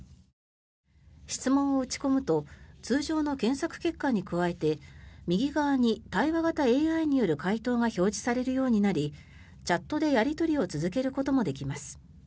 質問を打ち込むと通常の検索結果に加えて右側に対話型ＡＩによる回答が表示されるようになりチャットでやり取りを続けることもできます。